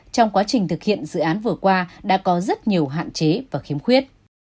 trong quá trình thực hiện dự án vừa qua đã có rất nhiều hạn chế và khiếm khuyết